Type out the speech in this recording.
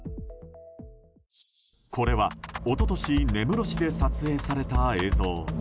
これは一昨年根室市で撮影された映像。